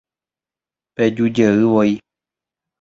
Pejujey voi